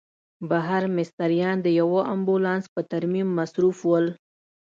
بهر مستریان د یوه امبولانس په ترمیم مصروف ول.